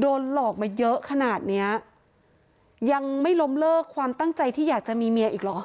โดนหลอกมาเยอะขนาดเนี้ยยังไม่ล้มเลิกความตั้งใจที่อยากจะมีเมียอีกเหรอ